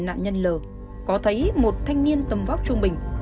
nạn nhân l có thấy một thanh niên tầm vóc trung bình